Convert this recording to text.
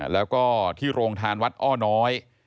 แล้วก็ที่โรงทานวัดอ้อน้อย